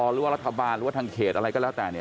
หรือว่ารัฐบาลหรือว่าทางเขตอะไรก็แล้วแต่เนี่ย